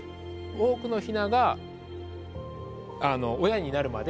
多くのヒナが親になるまで育った。